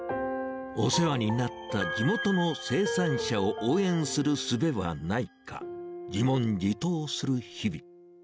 お世話になった地元の生産者を応援するすべはないか、自問自答する日々。